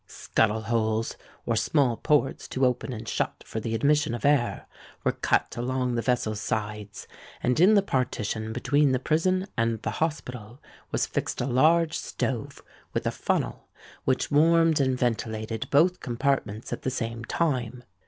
Scuttle holes, or small ports to open and shut for the admission of air, were cut along the vessel's sides; and in the partition between the prison and the hospital was fixed a large stove, with a funnel, which warmed and ventilated both compartments at the same time.